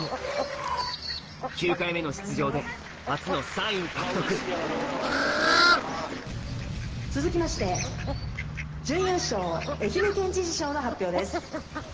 ９回目の出場で初の３位獲得続きまして準優勝愛媛県知事賞の発表です。